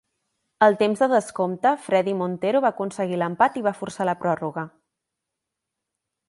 Al temps de descompte, Fredy Montero va aconseguir l'empat i va forçar la pròrroga.